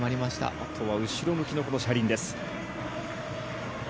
あとは後ろ向きのこの車輪です。